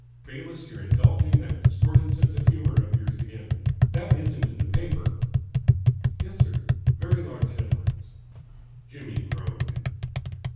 "Bayliss, you're indulging that distorted sense of humour of yours again. That isn't in the paper?" "Yes, sir. Very large headlines." Jimmy groaned.